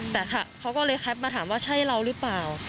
แต่เขาก็เลยแคปมาถามว่าใช่เราหรือเปล่า